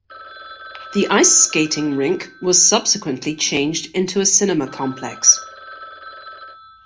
The ice skating rink was subsequently changed into a cinema complex.